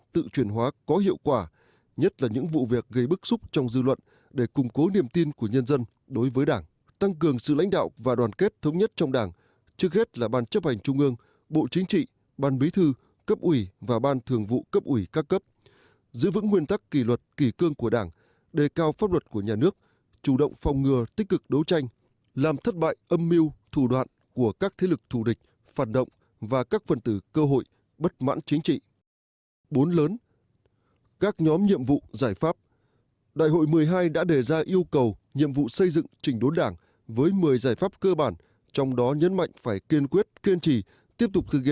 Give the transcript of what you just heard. tự truyền hóa có hiệu quả nhất là những vụ việc gây bức xúc trong dư luận để củng cố niềm tin của nhân dân đối với đảng tăng cường sự lãnh đạo và đoàn kết thống nhất trong đảng trước hết là ban chấp hành trung ương bộ chính trị ban bí thư cấp ủy và ban thường vụ cấp ủy các cấp giữ vững nguyên tắc kỳ luật kỳ cương của đảng đề cao pháp luật của nhà nước chủ động phòng ngừa tích cực đấu tranh làm thất bại âm mưu thủ đoạn của các thế lực thù địch phản động và các phần tử cơ hội bất mãn chính trị